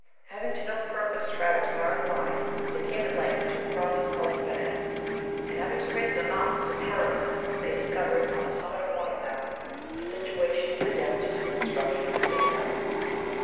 Having, to no purpose, travelled far and wide, they came at length to a province called Guenet;(2) and having surveyed the mountains of Heremus,(3) they discovered, on the summit of one of them, a situation, adapted to the construction of a citadel.